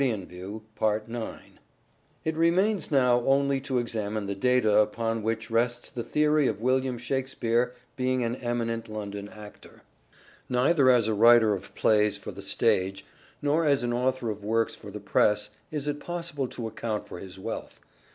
IX Shakspere It remains now only to examine the data upon which rests the theory of William Shakspere being an eminent London actor. Neither as a writer of plays for the stage nor as an author of works for the press is it possible to account for his wealth.